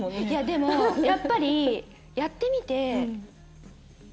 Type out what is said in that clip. いやでもやっぱりやってみて。